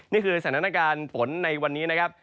นี่คือสถานการณ์ฝนในวันนี้นะครับ